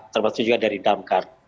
terutama juga dari damkar